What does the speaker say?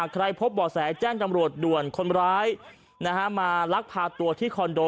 พบบ่อแสแจ้งตำรวจด่วนคนร้ายมาลักพาตัวที่คอนโด